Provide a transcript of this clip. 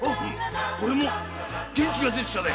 俺も元気が出てきたぜ！